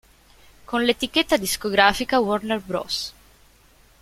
Con l'etichetta discografica Warner Bros.